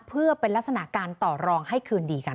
เพื่อเป็นลักษณะการต่อรองให้คืนดีกัน